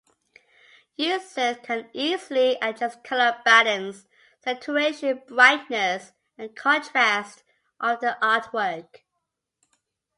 Users can easily adjust color balance, saturation, brightness, and contrast of their artwork.